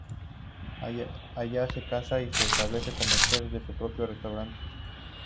Allá se casa y se establece como chef de su propio restaurante.